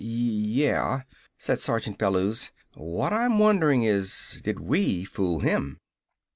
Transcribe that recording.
"Y yeah," said Sergeant Bellews. "What I'm wonderin' is, did we fool him?"